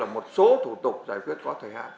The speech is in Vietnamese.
một số thủ tục giải quyết có thời hạn